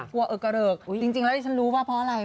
กลัวเกลือเกลืออุ้ยจริงจริงแล้วที่ฉันรู้ว่าเพราะอะไร